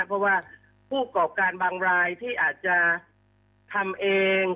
เพราะว่าผู้กรอบการบางรายที่อาจจะทำเอง